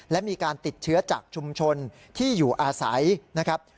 และมีการติดเชื้อจากชุมชนที่อยู่อาศัยนะครับ